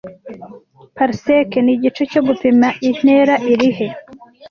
'Parsec' nigice cyo gupima intera irihe